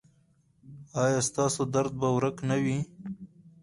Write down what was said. ایا ستاسو درد به ورک نه وي؟